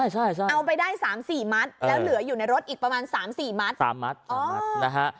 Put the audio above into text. ใช่เอาไปได้๓๔มัสแล้วเหลืออยู่ในรถอีกประมาณ๓๔มัส